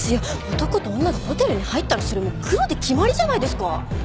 男と女がホテルに入ったらそれもう黒で決まりじゃないですか。